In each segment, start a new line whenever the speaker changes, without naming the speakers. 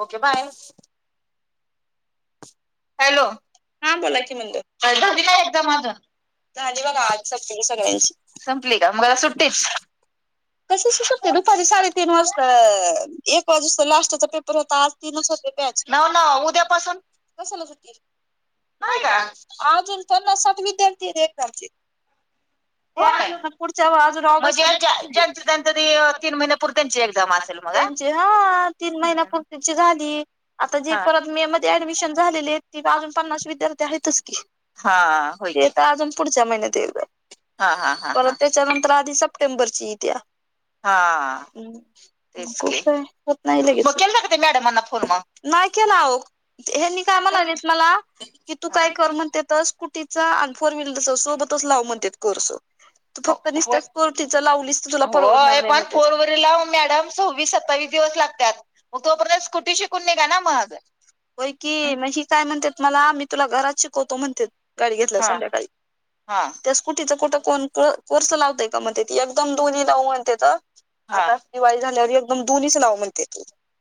Okay bye [inaudible]
hello
हा बोलाय की म्हणजर झालीला एकदा माझून झाली बघा आज संप सगळ्यांची संपली का मग आता सुट्टीच तसू शकते दुपज साडेतीीन वाजता एक वाज अस लास्टचा पेपर होता आज ती नस पच न ना उद्यापासून कसला सुी नाही का अजून पन्ना सात विद्यार्थी आहेत एककालचे पुढज त्यांच त तीन महिन्यापूर् त्यांची एक्झाम असेल आ हा तीन महिन्यापूर्तीची झाली आता जे परत मे मध्ये ऍडमिशन अज प्ना वि्यार्थी आहेत पुढच्या महिन्यातल हा ह परत त्याच्या नंतर आधी सप्टेंबरची येत्या हा होत नाही के ते मॅडमांना फोन म नाही केलाक हे काय म्हणालेत मला की तू काय कर म्हण स्ुटीचा फोर व्हीलर सोबतचवू म्हण कोो फक्तस तिथं लावलीस तुला पण फोरवरीला मॅडम सव्वीस सत्तावीस दिवस लागतात मग तोपर् स्कुटी शिकून नाही का ना मझ होै की मग ही काय म्हणतेात मला मी तुला घरात शिकवतो म्हणते गाडी घेतल्या संध्याकाळी हा त्या स्कुटीचं कुठं कोण कोर्स लावताय का मग ते एकदम दोन्ही लाव म्हणते तर ह दिवाळी झाल्यावर एकदम दोन्हीच नाव म्हणते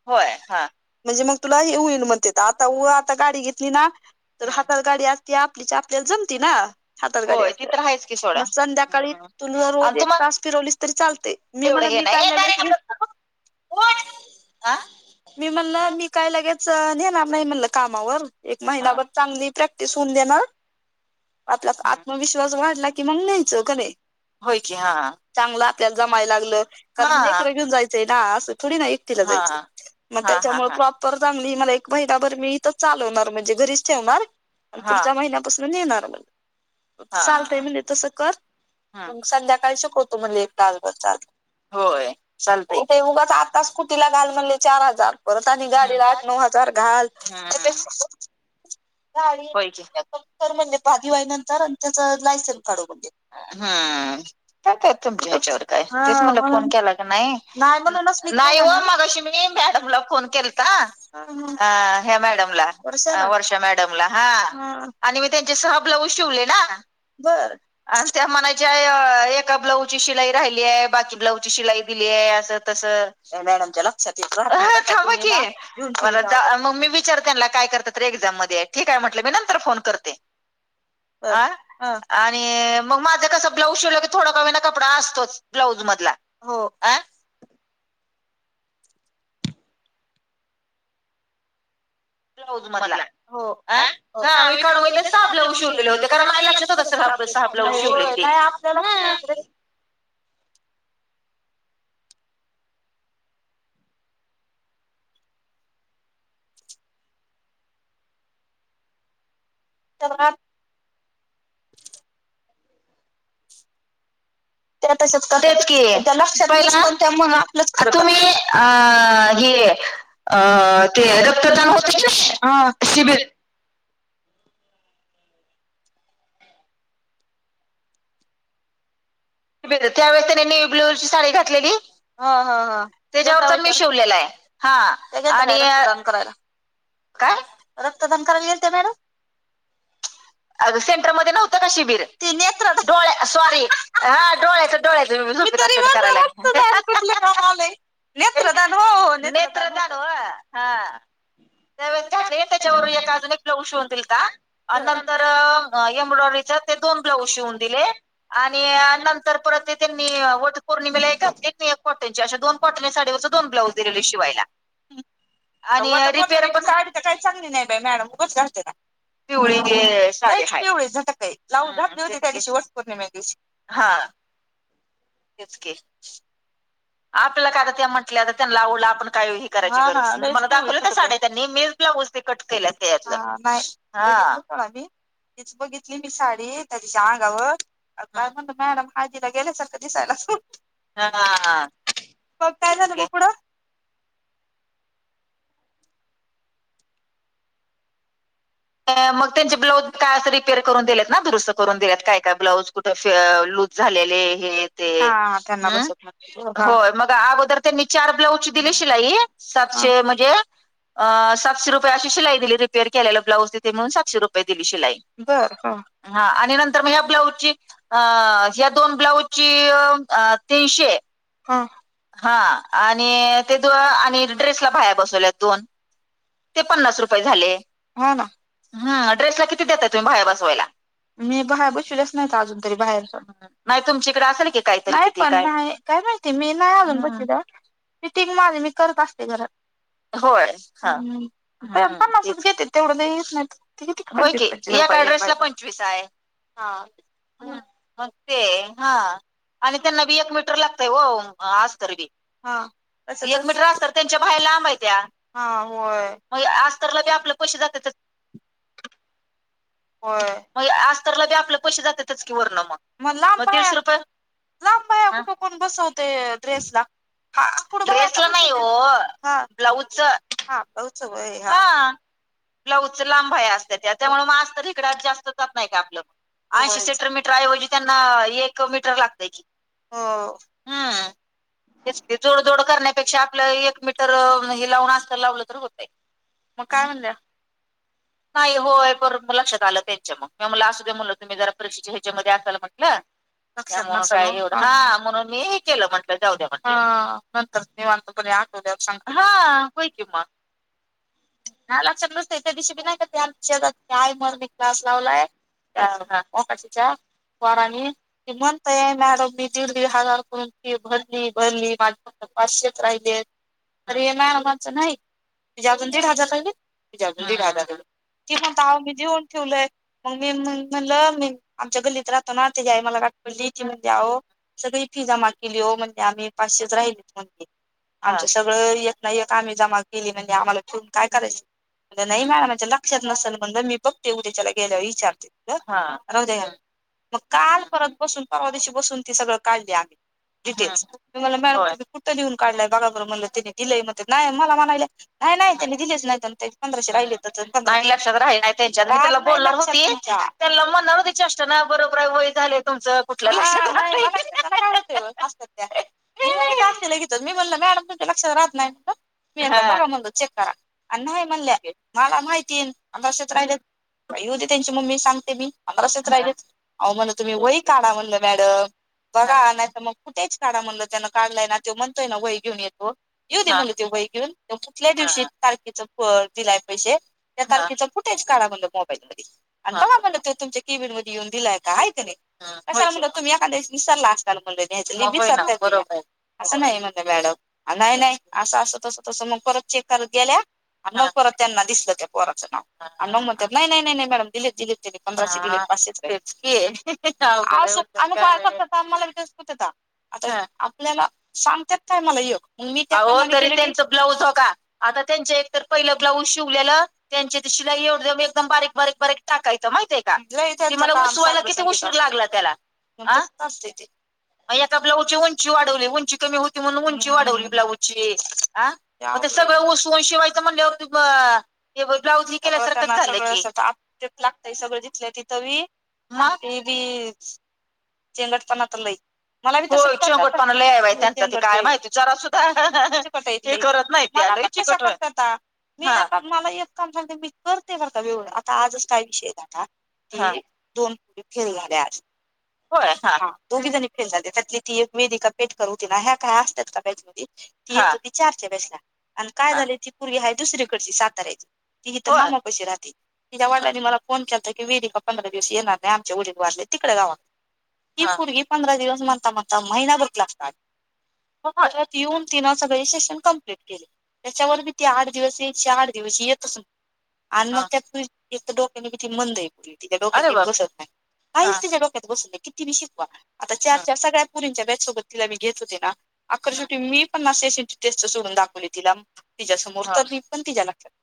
होय हा म्हणजे मग तुला हे होईल म्हणते आता आता गाडी घेतली ना तर हातल गाडी असती आपलीची आपल्याला जमती ना सात तयच की संध्याकाळी तु जर अ त्रास फिरवलीस तरी चालते मी एव हो मी म्हणला मी काय लगेच ने ना नाही म्हणलं कामावर एक महिनाभर चांगली प्रॅक्टिस होऊन देणार आपला आत्मविश्वास वाढला की मग न्यायचं घरे होय की हा चांगलं आपल्याला जमायला लागलं कस मरा घेऊन जायचंय ना असं थोडी ना एकटिला जायच मग त्याच्यामुळे प्रॉपर चांगली मला एक महिदाभर मी इथ चालवणार म्हणजे घरीच ठेवणार पाच्या महिन्यापासून येणार मला चालतय म्हज तसं कर म संध्याकाळी शकवतो म्हला एक टलभर चालत होय चालत इथ उगाच आ तास कुटीला घाल म्हणले चार हजार परत निघालेला नऊ हजार घाल म्हणजे पाधी वईनंतर आणि त्याच लायसनस काढू म्हणजे हम्मत तुम हच्यावर काय मला फोन केला नाही नाही हो मगाशी मी मॅडमला फोन केलता ह ह्या मॅडमला वर्षा मॅडमला हा आणि मी त्यांचे सहा ब्लाऊज शिवले ना बर आणि त्या म्हणायचे एका ब्लाऊज ची शिलाई राहिली आहे बाकी ब्लाउजची शिलाई दिली आहे असं तस मॅडमच्या लक्षात येत मला मग मी विचारते काय करत तर एक्झाम मध्ये ठीक आहे म्हटलं मी नंतर फोन करते आणि मग माझं कस ब्लाऊज शिरलं की थोडं का कपड असतोच ब्लाउज मधला हो
ब मधला मी तसा ब्लाउज शिवलेले होते कारण मला लितस [inaudible]
तर [inaudible] [inaudible] ब त्यावेळेस त्यानी न्यू ब्लू ची साडी घातलेली ह ह हा त्याच्यावरर मी शिवलेला आहे हाम करायला काय रक्तदान करायला येईल ते मॅडम अ सेंटरमध्ये नव्हतं का शिबिर नेत डोळ सॉरी हा डोळ्याचं डोळयचं नेतान नेतेतड हा दवे घ त्याच्यावर एकाज ब्लाऊज शिवून दितील का नंतर एम्ब्रॉयडरीच्या ते दोन ब्लाऊज शिवून दिले नंतर परत त्यांनी पौर्णिमेला एक एक नाही एक कॉटनची अशा दोन कॉटनच्या साडी ववर दोन ब्लाउज दिलेले शिवायला आणि रिपेरडी तर काही चांगली नाही बा मॅडम उच घते ना पिव पिवळे झटकय लावून झाातले होते त्या दिवशी वस्त पूर्णिमे दिवशी हाच के आपल्याला काय आता त्या म्हटल्या आता त्यां लावलं आपण काय दाखव साड त्यांनी मी ब्लाऊज कटकला तया नाही हाी तिची बघितली मी साडी त्या तिच्या अंगावर म्हणत मॅडम आजीला गेल्यासारखं दिसायला मग काय झालं पुढं मग त्यांचे ब्लाऊज काय असं रिपेअर करून दिलेत ना दुरुत करून दिलेत काय ब्लाउज कुठ लूज झालेले हे तेना हो मग अगोदर त्यांनी चार ब्लाऊज दिली शिलाई सातशे म्हणजे अ सातशे रुपये अशीिलाई दिली रिपेअर केल्याला ब्लाज तथे म्हणून सातशे रुपये दिली शिलाई बर ह आणि नंतर मग ह्या ब्लाउजची अ या्या दोन ब्लाऊजची तीनशे हा आणि ते आणि ड्रेसला पाया बसवल्यात दोन ते पन्नास रुपये झाले ह ना हम ड्रेसला किती दताय तुम्ही बाहे बसवायला मी बाहे बसलेच नाहीत अजून तरी बाहेर स नाही तुमच्या इकडे असेल की काही माती काय माहिती मी नाही आलोण तिं ति ती माझ मी करत असते घरात होय मा घेते तेवढंच नाहीडेसला पंचवीस आहे हा [inaudible] आणि त्यांना बी एक मीटर लागतय हो आ्तर बी ह एक मीटर असतर त्यांच्या बाला आंबायत्या अस्तरलाी आप क जात हो मग आ्तरला बी आपले पैसे जातातच की वर्ण मग तीस रुपये लांब या कुठकण बसवते ड्रेस ला [inaudible] हा ब्लाऊज लांब आहे असत त्या त्यामुळे इ जास्त जात नाही का आपलं सेटमीटर ट्रऐवजी त्यांना एक मीटर लागत की हम् जोड जोड करण्यापेक्षा आपलं एक मीटर हे लावून असत लावलं तर होतय मग काय म्हण द्या नाही होय कर लक्षात आलं त्यांच्या मग म मला असू दे्या म्हटलं तुम्ही जरा परीक्षेच्या ह्याच्यामध्ये असाल म्हटलं. काढ हा म्हणून मी हे केलं म्हंटलं जाऊद्या म्ह नंतर निवांतपणे आठवल्यावर सांग हा होय कि मग ह लक्षात नसत त्या दिशशी बी नाही का त्याय मर मी क्लास लावलाय ह मकाशीच्या वारनी. की म्हणता ये मॅडम मी दीड दीड हजार करून कि भरली भरली माझ पाचशेच राहिले आहेत तर हे नाही माणचं नाही तुझ्या अजून दीड हजार राहिले तिझ्या अजून दीड हजारहि ती म्हणता मी देऊन ठेवलंय मग मी म्हणलं मी आमच्या गली इथ राहतो ना ते जाई मला काठवली की मग जाव सगळी फी जमा केली हो म्हणजे आम्ही पाचशेच राहिली म्हणे आ सगळं येत नाही एक आम्ही जमा केली म्हणजे आम्हाला फेून काय करायचं नाही मॅडमच्या लक्षात नसेल म्हण मी बघ तेऊ त्या्याच्याला गेल्या व विचारते राह मग काल परत बसून बून सगळ काढली आम् डटेला कुे काढलाय बघा बरोबर म्हणलं त्यांनी दिलंय म नाही मला म्हणाय नाही नाही त्यांनी दिलेच नाही ते पंधराशे राहिले [inaudible] त्यां मष्ट बरोबर वय झा तुमच कुठल्या असत त्या लगितच मी बोलल मॅडम तुमच्या पक्षात राहत नाही मी म्हणतो चेक करा आणि्य म्हणल्या मला माहिती ये अक्षेत राहिले भाई होती त्यांची मम्मी सांगते मी पंधराशच राहिले अ म्हण तुम्ही वई काढा म्हणलं मॅडम बघा नाही तर मग कुठेच काढा म्हणल त्यान काढलाय ना तो म्हणतोय ना वय घेऊन येतो येऊ दे मला ते वही घेऊन कुठल्या दिवशी तारखेच दिलाय पैसे त्या तारखेच फुटेज काढा म्हण मोबाईल मध्ये आणि बघ म्हण तो तुमच्या किबीन म येऊन दिलाय का आहे त्याने क म्हलं तुम्ही एखादेशी विसरला असताल म्हण्यायची विसरते बरोबर असं नाही म्हणज मॅडम नाही नाही असं असं तसं तसं मग परत चेक करत गेल्या ह न परत त्यांना दिसलं त्या पोराचं नाव नव मत नाही नाही नाही नाही मॅडम दिली दिलीत पंधराशे दिली पा आम्ही काय करतो आ मला विकास करतो आता आपल्याला सांगतेात का मला योग मी त्यांच ब्लाऊज ब का आता त्यांच एकत पहिलं ब्लाऊज शिवलेलं त्यांचे शिला एवढे एकदम बारीक बारीक बारीक टाकायचं माहितय आहे का मला उसवायला किती उशीर लागला त्याला ह अस ते आता ब्लाउची हो उंची वाढवली उंची कमी होती म्हणून उंची वाढवली ब्लाऊज ची ह ते सगळं उसून शिवायच म्हणले ब्लाउज ह तर झालंय लागतंय सगळं जिथलं तिथंी ह ते बी शचेंगटपणा तर लई मलाी पण लहि त्यांच्या काय माहिती चरा सुद्धा ी मला येत काम झाते करते बर का वेवळं आता आजच काय विषय आता दोन कढे खेळ झाले आज हो हा दोघी जणी फेन जाते त्यातली ती एक वेदी का पेट कर होती ना ह्या काय असतात का त चारच्या बेसला आणि काय झाले ती पूर्ग ह दुसरीकडची साताऱ्याची तो आ ना कशी राहते तिच्या वाडलांनी मला फोन के करत क विरिका पंधरा दिवस येणार नाही आमच्या उडीक वाारले तिकडे जावाला ही भरगी पंधरा दिवस म्हणता म्हणता महिना बत लागतात मगत येऊन तिन सगळे सेशन कम्प्लीट केले त्याच्यावर बी तेी आठ दिवस यायची आठ दिवस येत अस आणि मग त्या डोक्याने किे मंद आहे पुरी ति डो्यात बसत नाही कााच त्याच्या डक्यात बसले किती बी शिकवा आता चार चार सगळ्या पुरींच्याचसोबत तिला मी घेत होते ना अकराशेवटी मी पन्स सेशनची टेस्ट सोडून दाखवली तिला तिच्या्या समोर तर मी पण तिच्या्या लक्षत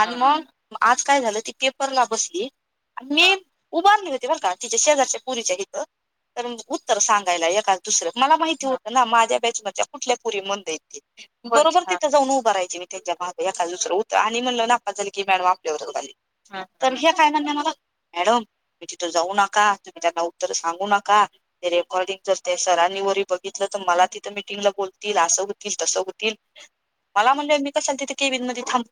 आणि मग आज काय झालं ती पेपरला बसली मी उभारली होती बला का तिच्या शेजारच्या पुरीच्या घेतं तर उत्तर सांगायला एका दुसर्या मला माहिती होतं ना माझ्या बॅच मध कुठल्या पुरी मंदतील बरोबर तिथे जाऊन उभं राय मी त्यांच्या भाग एखा दुसरं उतर मी म्हणल नापास झाल की मॅडम आपल्या वररोल आणि तर हे काय म्हंटल्या मला मॅडम तुम्ही तिथं जाऊ नका तुम्ही त्यांना उत्तर सांगू नका ते रेकॉर्डिंग जर ते सरांनी वरी बघितलं तर मला तिथं मिटिंगला बोलतील असं होतील तसं होतील मला म्हणलं मी कशाला तिथ केबिन मध्ये थाब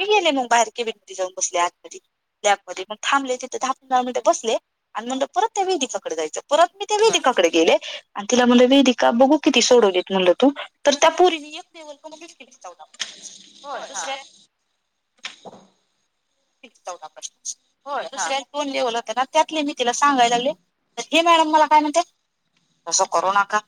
म गेले मग बाहेर ती व्यक्ती जाऊन बसले आतमध्ये लॅब मध्ये मग थाबले तिथे दहा पांधरा मिनटं बसले. आणि म्हणल परत ते वेधिकाकडे जायचं परत मी त्या वेधिकाकडे गेले. आणि तिला म्हणलं वेदिका बघू किती सोडवलीत म्हणलं तू तर त्या पोरीनी एक लेवल पण
होय हा
चौदा प्रश्न होय दुसऱ्यातले दोन लिवल होत ना त्यातले मी तिला सांगायला लागले. ही मॅडम मला काय म्हणत्यात तसं करू नका